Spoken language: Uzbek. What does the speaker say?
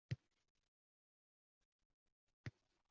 Tafakkuri teran bola